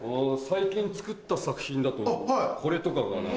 最近作った作品だとこれとかかな。